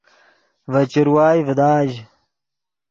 ڤے چروائے ڤداژ